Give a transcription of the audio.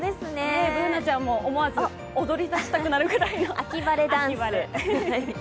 Ｂｏｏｎａちゃんも、思わず踊りだしたくなるくらいの秋晴れ。